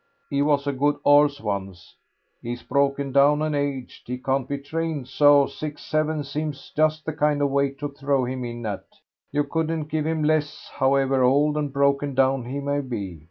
"He was a good 'orse once; he's broken down and aged; he can't be trained, so six seven seems just the kind of weight to throw him in at. You couldn't give him less, however old and broken down he may be.